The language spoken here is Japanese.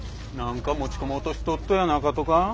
何か持ち込もうとしとっとやなかとか？